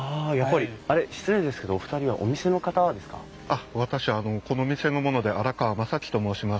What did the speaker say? あっ私この店の者で新川真己と申します。